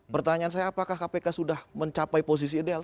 pertanyaan saya apakah kpk sudah mencapai posisi ideal